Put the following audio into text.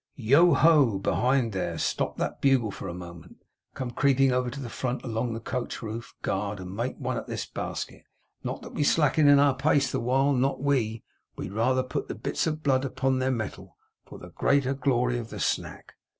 Yoho, behind there, stop that bugle for a moment! Come creeping over to the front, along the coach roof, guard, and make one at this basket! Not that we slacken in our pace the while, not we; we rather put the bits of blood upon their metal, for the greater glory of the snack.